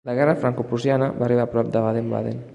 La guerra Francoprussiana va arribar a prop de Baden-Baden.